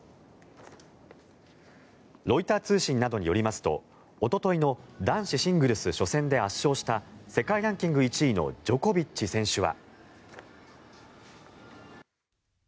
ロイター通信などによりますとおとといの男子シングル初戦で圧勝した世界ランキング１位のジョコビッチ選手は。